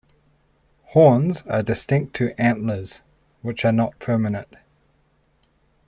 Horns are distinct to antlers, which are not permanent.